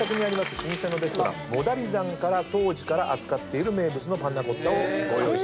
老舗のレストラン「モナリザン」から当時から扱っている名物のパンナコッタをご用意。